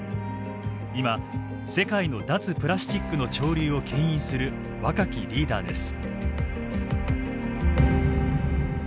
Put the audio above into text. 今世界の脱プラスチックの潮流を牽引する若きリーダーです。